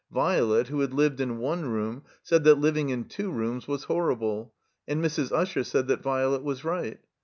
Violet, who had lived in one room, said that Uving in two rooms was horrible, and Mrs. Usher said that Violet was right.